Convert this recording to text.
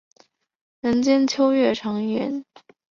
人间秋月长圆。